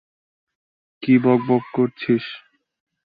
কি বকবক করছিস?